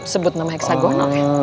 sebut nama heksagonal ya